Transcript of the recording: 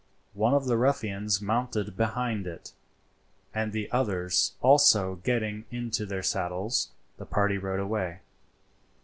One of the ruffians mounted behind it, and the others also getting into their saddles, the party rode away.